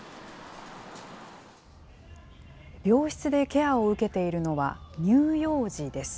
病室でケアを受けているのは、乳幼児です。